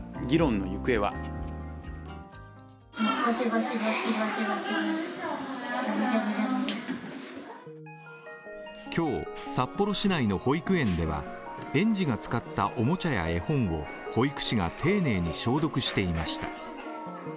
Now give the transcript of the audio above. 議論の行方は今日、札幌市内の保育園では園児が使ったおもちゃや絵本を保育士が丁寧に消毒していました。